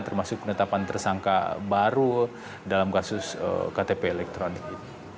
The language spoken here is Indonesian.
termasuk penetapan tersangka baru dalam kasus ktp elektronik